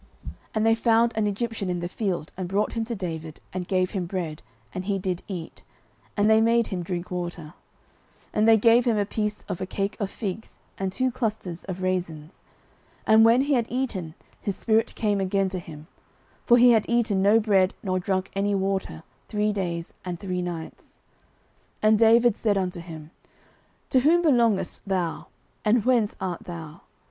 09:030:011 And they found an Egyptian in the field, and brought him to David, and gave him bread, and he did eat; and they made him drink water; 09:030:012 And they gave him a piece of a cake of figs, and two clusters of raisins: and when he had eaten, his spirit came again to him: for he had eaten no bread, nor drunk any water, three days and three nights. 09:030:013 And David said unto him, To whom belongest thou? and whence art thou?